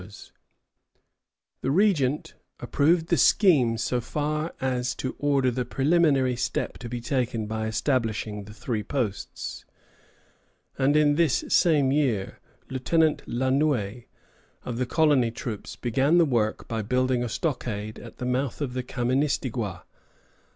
_] The Regent approved the scheme so far as to order the preliminary step to be taken by establishing the three posts, and in this same year, Lieutenant La Noue, of the colony troops, began the work by building a stockade at the mouth of the Kaministiguia.